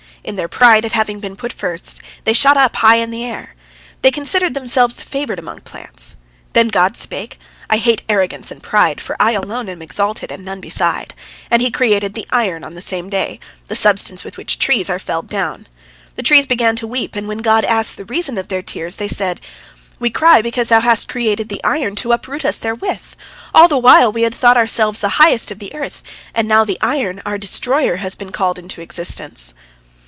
In their pride at having been put first, they shot up high in the air. They considered themselves the favored among plants. Then God spake, "I hate arrogance and pride, for I alone am exalted, and none beside," and He created the iron on the same day, the substance with which trees are felled down. The trees began to weep, and when God asked the reason of their tears, they said: "We cry because Thou hast created the iron to uproot us therewith. All the while we had thought ourselves the highest of the earth, and now the iron, our destroyer, has been called into existence."